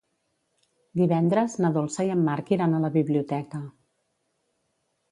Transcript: Divendres na Dolça i en Marc iran a la biblioteca.